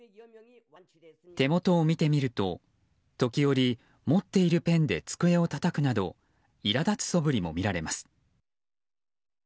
手元を見てみると、時折持っているペンで机をたたくなど苛立つそぶりも見られます。